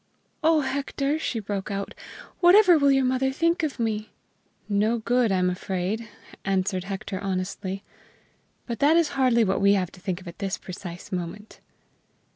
"Oh, Hector!" she broke out, "whatever will your mother think of me?" "No good, I'm afraid," answered Hector honestly. "But that is hardly what we have to think of at this precise moment."